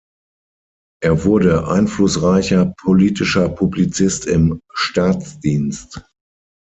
Er wurde einflussreicher politischer Publizist im Staatsdienst.